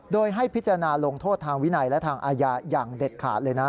โดยให้พิจารณาลงโทษทางวินัยและทางอาญาอย่างเด็ดขาดเลยนะ